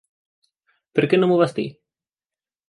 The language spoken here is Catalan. Per què no m'ho vas dir?